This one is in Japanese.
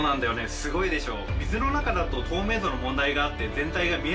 すごいでしょ。